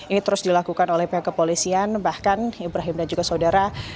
ini terus dilakukan oleh pihak kepolisian bahkan ibrahim dan juga saudara